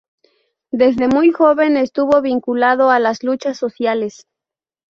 Desde muy joven estuvo vinculado a las luchas sociales.